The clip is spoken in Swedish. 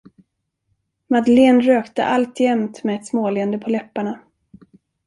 Madeleine rökte alltjämt med ett småleende på läpparna.